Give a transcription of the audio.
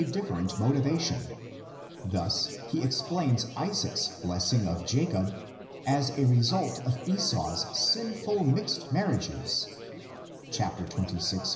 153 different motivation: thus he explains Isaac's bless ing of Jacob as a result of Esau's sinful mixed mar riages (xxvi.